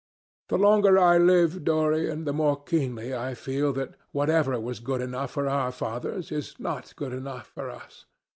The longer I live, Dorian, the more keenly I feel that whatever was good enough for our fathers is not good enough for us.